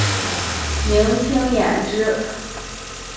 明清延之。